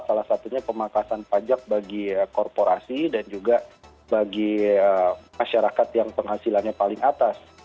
salah satunya pemangkasan pajak bagi korporasi dan juga bagi masyarakat yang penghasilannya paling atas